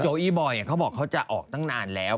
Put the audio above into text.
โจโออีบอยเนี่ยเค้าบอกเค้าจะออกตั้งนานแล้ว